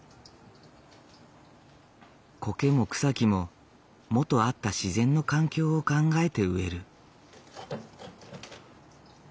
コケも草木も元あった自然の環境を考えて植える。